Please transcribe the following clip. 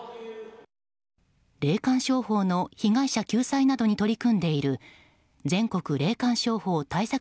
霊感商法の被害者救済などに取り組んでいる全国霊感商法対策